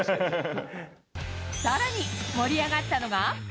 さらに、盛り上がったのが。